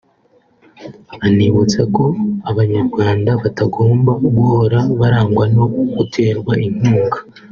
anibutsa ko abanyarwanda batagomba guhora barangwa no guterwa inkunga